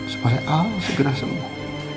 supaya allah segera sembuh